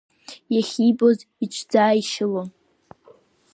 Иахьибоз иҽӡааишьылон.